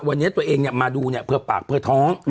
วันนี้ตัวเองมาดูเนี่ยเพื่อปากเพื่อท้อง